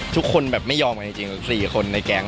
ทุกคนแบบไม่ยอมกันจริง๔คนในแก๊ง